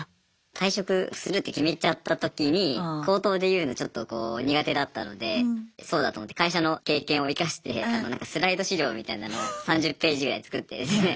退職するって決めちゃった時に口頭で言うのちょっとこう苦手だったのでそうだ！と思って会社の経験を生かしてスライド資料みたいなのを３０ページぐらい作ってですね。